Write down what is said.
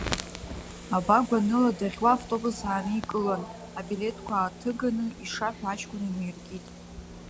Аба гәаныла даӷьуа автобус ааникылан, абилеҭқәа ааҭыганы, иша ҳәа аҷкәын инеииркит.